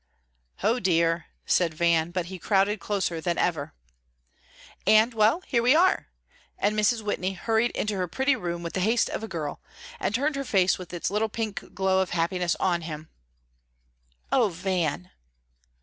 "O dear," said Van, but he crowded closer than ever. "And well, here we are," and Mrs. Whitney hurried into her pretty room with the haste of a girl, and turned her face with its little pink glow of happiness on him. "Oh, Van!"